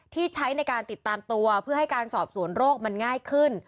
ที่ใช้ในการติดตามตัวเพื่อให้การสอบสวนโรคมันง่ายขึ้น